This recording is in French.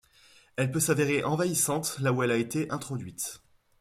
Elle peut s'avérer envahissante là où elle a été introduite.